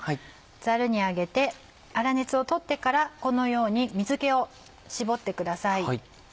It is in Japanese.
ザルにあげて粗熱をとってからこのように水気を絞ってください。